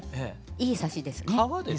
いいサシですね。